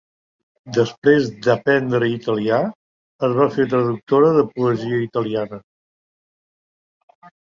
Després d'aprendre italià, es va fer traductora de poesia italiana.